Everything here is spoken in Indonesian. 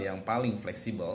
yang paling fleksibel